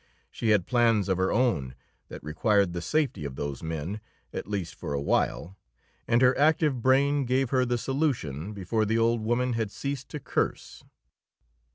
She had plans of her own that required the safety of those men, at least for a while. And her active brain gave her the solution before the old woman had ceased to curse.